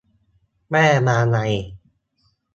แม่มาลัย